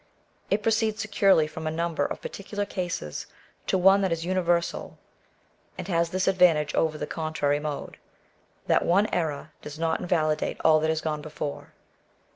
It proceeds securely from a number of particular cases to one that is universal, and has this advantage over the contrary mode, that one error does not invalidate all that has gone before.